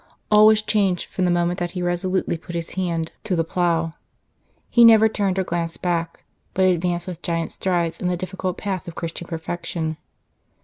All was changed from the moment that he resolutely put his hand to the plough ; he never turned or glanced back, but advanced with giant strides in the difficult path of Christian perfection.